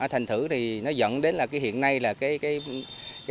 thành thử thì nó dẫn đến hiện nay là cái nguồn nước